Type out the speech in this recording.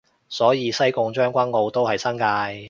所以西貢將軍澳都係新界